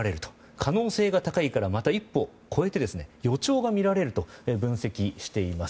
可能性が高いからまた一歩超えて予兆が見られると分析しています。